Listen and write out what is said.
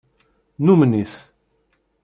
Numen-it.